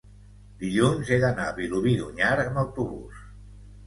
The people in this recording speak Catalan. dilluns he d'anar a Vilobí d'Onyar amb autobús.